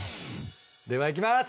ではいきます。